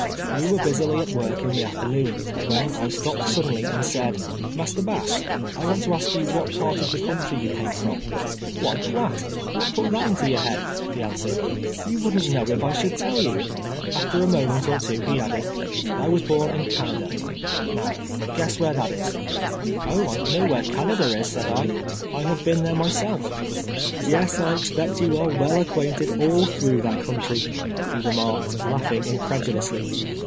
We were busily at work in the afternoon, when I stopped suddenly and said — 270 ■nVELTE YEARS A SLAVE, '• Master Bass, I want to ask you what part of the country you came from ?"" Why, rhitt, what ].ut tliat into your liead ?" lie answereil. '' You Wduhhi't know if 1 slniuld tell you." After a moment or two he added —" I was born in Canada ; now o'uess where that is." " Oh, I know where Canada is," said I, " I have Leen there myself." " Yes, I expect you are well acquainted all through that country," he remarked, laughing incredulously.